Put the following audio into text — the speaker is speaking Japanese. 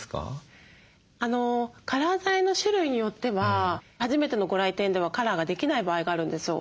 カラー剤の種類によっては初めてのご来店ではカラーができない場合があるんですよ。